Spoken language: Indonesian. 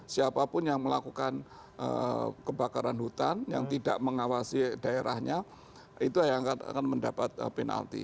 siapapun yang melakukan kebakaran hutan yang tidak mengawasi daerahnya itu yang akan mendapat penalti